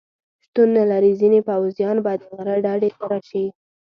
شتون نه لري، ځینې پوځیان به د غره ډډې ته راشي.